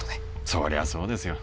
そりゃそうですよ